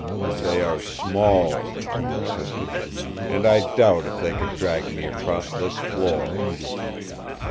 "They are small," he insisted, "and I doubt if they could drag me across this floor."